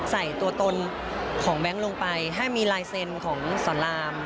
ใส่ตัวตนของแบงค์ลงไปให้มีลายเซ็นต์ของสอนราม